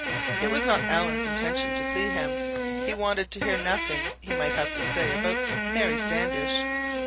It was not Alan's intention to see him. He wanted to hear nothing he might have to say about Mary Standish.